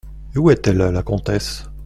Et où est-elle, la comtesse ?